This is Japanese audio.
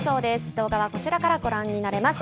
動画はこちらからご覧になれます。